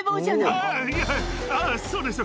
ああ、いや、ああ、そうですよ。